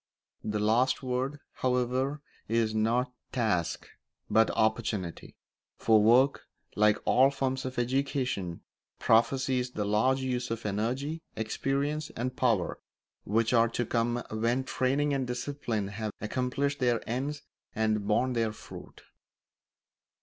The last word, however, is not task but opportunity; for work, like all forms of education, prophesies the larger uses of energy, experience, and power which are to come when training and discipline have accomplished their ends and borne their fruit.